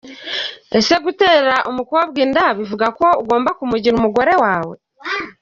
Ese gutera umukobwa inda bivuga ko ugomba kumugira umugore wawe?